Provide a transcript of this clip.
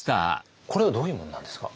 これはどういうものなんですか？